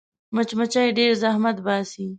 مچمچۍ ډېر زحمت باسي